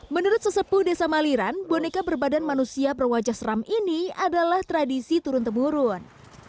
menurut sesepuh desa maliran boneka berbadan manusia berwajah seram ini adalah tradisi turun temurun